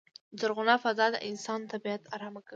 زرغونه فضا د انسان طبیعت ارامه کوی.